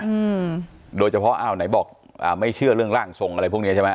อืมโดยเฉพาะอ้าวไหนบอกอ่าไม่เชื่อเรื่องร่างทรงอะไรพวกเนี้ยใช่ไหม